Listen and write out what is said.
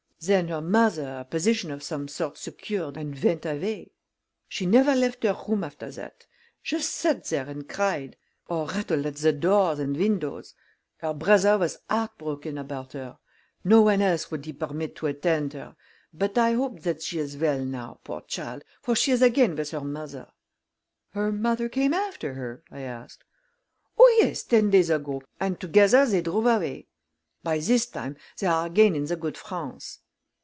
Then her mother a position of some sort secured and went away; she never left her room after that, just sat there and cried, or rattled at the doors and windows. Her brother was heartbroken about her no one else would he permit to attend her. But I hope that she is well now, poor child, for she is again with her mother." "Her mother came after her?" I asked. "Oh, yes; ten days ago, and together they drove away. By this time, they are again in the good France."